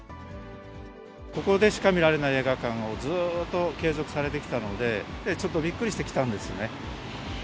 ここでしか見られない映画館を、ずっと継続されてきたので、ちょっとびっくりして来たんですよね。